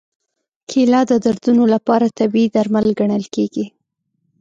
کېله د دردونو لپاره طبیعي درمل ګڼل کېږي.